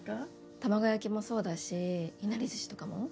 玉子焼きもそうだしいなり寿司とかも。